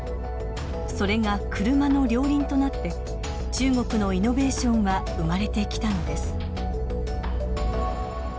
それが車の両輪となって中国のイノベーションは生まれてきたのです。